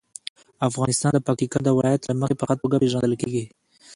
افغانستان د پکتیکا د ولایت له مخې په ښه توګه پېژندل کېږي.